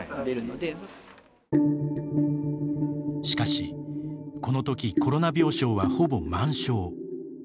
しかし、このときコロナ病床は、ほぼ満床。